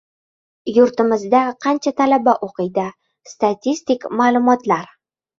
Yurtimizda qancha talaba o‘qiydi? – statistik ma’lumotlar